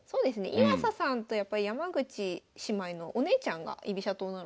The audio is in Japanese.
岩佐さんと山口姉妹のお姉ちゃんが居飛車党なので。